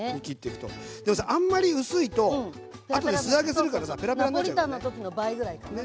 でもさあんまり薄いとあとで素揚げするからさペラペラになっちゃうよね。